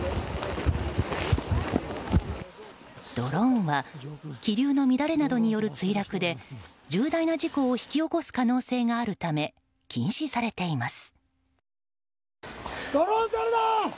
ドローンは気流の乱れなどによる墜落で重大な事故を引き起こす可能性があるため禁止されています。